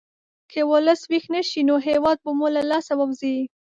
که ولس ویښ نه شي، نو هېواد به مو له لاسه ووځي.